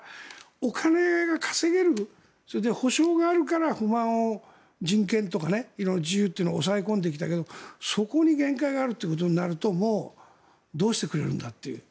お金が稼げる保証があるから不満を、人権とか自由というのを抑え込んできたけどそこに限界があるということになるともうどうしてくれるんだという。